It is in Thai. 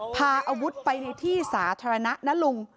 พาอาวุธไปในที่สาธารณะนะลุง